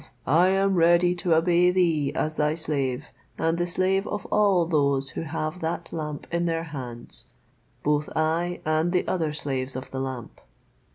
I am ready to obey thee as thy slave, and the slave of all those who have that lamp in their hands; both I and the other slaves of the lamp."